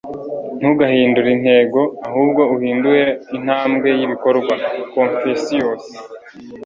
ntugahindure intego, ahubwo uhindure intambwe y'ibikorwa.” - Confucius